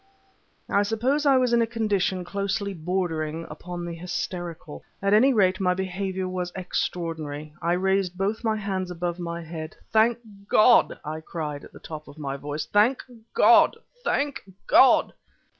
I suppose I was in a condition closely bordering upon the hysterical. At any rate, my behavior was extraordinary. I raised both my hands above my head. "Thank God!" I cried at the top of my voice, "thank God! thank God!"